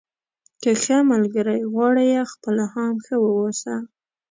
که ښه ملګری غواړئ خپله هم ښه واوسه.